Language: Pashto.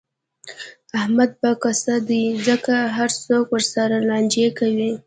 احمد به کسه دی، ځکه هر څوک ورسره لانجې کوي.